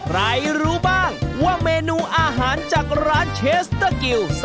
รู้บ้างว่าเมนูอาหารจากร้านเชสเตอร์กิล